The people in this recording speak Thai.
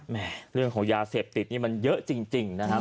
เรื่องของยาเสพติดนี่มันเยอะจริงนะครับ